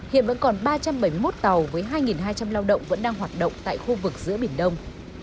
hiện vẫn còn ba trăm bảy mươi một tàu với hai hai trăm linh lao động vẫn đang hoạt động tại khu vực giữa biển đông